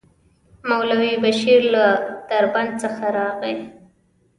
مولوي بشير له دربند څخه راغی.